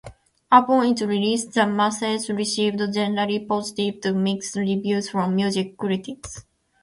Upon its release, "The Massacre" received generally positive to mixed reviews from music critics.